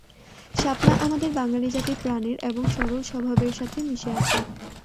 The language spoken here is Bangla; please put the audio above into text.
শাপলা আমাদের বাঙালি জাতির প্রাণের এবং সরল স্বভাবের সাথে মিশে আছে।